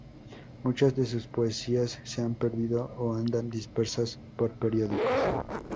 Muchas de sus poesías se han perdido o andan dispersas por periódicos.